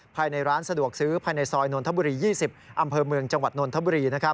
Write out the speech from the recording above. ภายในร้านสะดวกซื้อภายในซอยนนทบุรี๒๐อำเภอเมืองจังหวัดนนทบุรี